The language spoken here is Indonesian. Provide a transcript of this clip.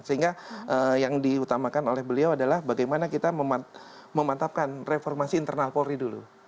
sehingga yang diutamakan oleh beliau adalah bagaimana kita memantapkan reformasi internal polri dulu